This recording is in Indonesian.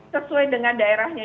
sesuai dengan daerahnya